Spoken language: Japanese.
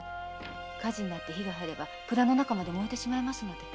火事になって火が入れば倉の中まで燃えてしまいますので。